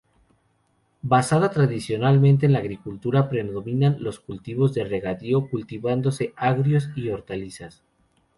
Basada tradicionalmente en la agricultura, predominan los cultivos de regadío, cultivándose agrios y hortalizas.